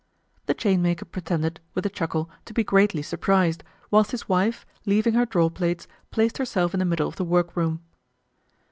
The chainmaker pretended, with a chuckle, to be greatly surprised; whilst his wife, leaving her draw plates, placed herself in the middle of the work room.